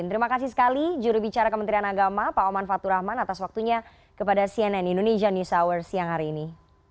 terima kasih sekali jurubicara kementerian agama pak oman fatur rahman atas waktunya kepada cnn indonesia news hour siang hari ini